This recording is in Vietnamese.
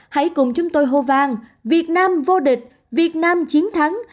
hãy cùng chúng tôi hô vang việt nam vô địch việt nam chiến thắng